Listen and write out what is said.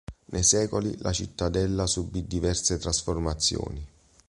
Nei secoli la Cittadella subì diverse trasformazioni.